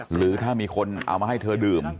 หรือถ้ามีคนเอามาให้เธอดื่ม